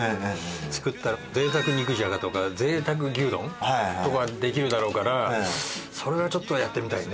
作ったらぜいたく肉じゃがとかぜいたく牛丼とかができるだろうからそれはちょっとやってみたいね。